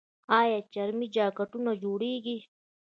آیا چرمي جاکټونه جوړیږي؟